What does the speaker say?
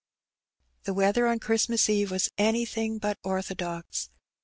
The weather on Christmas Eve was anything but ortho dox.